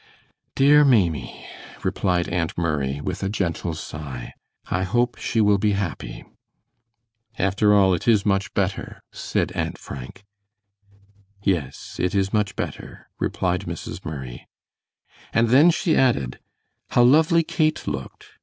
"Dear Maimie," replied Aunt Murray, with a gentle sigh, "I hope she will be happy." "After all it is much better," said Aunt Frank. "Yes, it is much better," replied Mrs. Murray; and then she added, "How lovely Kate looked!